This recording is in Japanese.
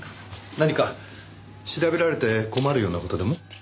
何か調べられて困るような事でも？